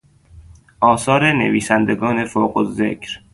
آثار نویسندگان فوقالذکر